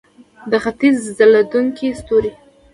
د ختیځ ځلیدونکی ستوری.